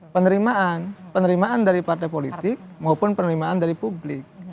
penerimaan penerimaan dari partai politik maupun penerimaan dari publik